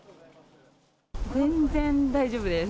全然大丈夫です。